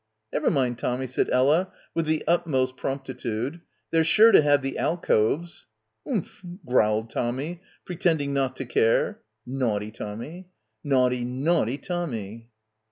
'Never mind, Tommy,' said Ella with the utmost promptitude, 'they're sure to have the alcoves.' 'Oomph,' growled Tommy, pretending not to care. Naughty Tommy, naughty, naughty Tommy